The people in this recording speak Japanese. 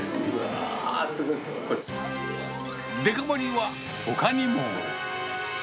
デカ盛りはほかにも。